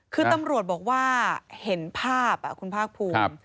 คือตำรวจบอกว่าเห็นภาพคุณภาคภูมิ